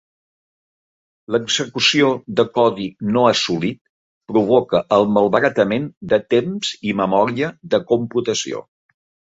L'execució de codi no assolit provoca el malbaratament de temps i memòria de computació.